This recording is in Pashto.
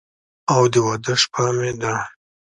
او د واده شپه مې ده